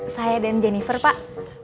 pak idoi dan jennifer pak